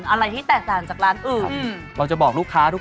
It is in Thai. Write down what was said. อะไรที่แต่งสารจากร้านอื่น